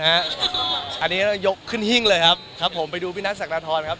อันนี้ยกขึ้นห้ิงเลยครับผมไปดูพี่นัทสักตาทอนครับ